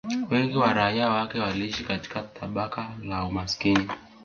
Wengi wa raia wake waliishi katika tabaka la umaskini